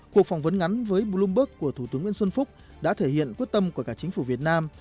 cuộc phỏng vấn ngắn với bloomberg của thủ tướng nguyễn xuân phúc đã thể hiện quyết tâm của cả chính phủ việt nam